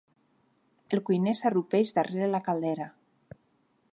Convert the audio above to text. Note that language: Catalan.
El cuiner s'arrupeix darrere la caldera.